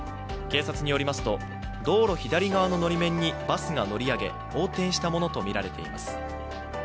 警察によりますと、道路左側ののり面にバスが乗り上げ横転したものとみられています。